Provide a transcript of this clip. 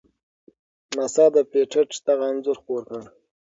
ناسا د پېټټ دغه انځور خپور کړ.